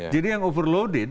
jadi yang overloaded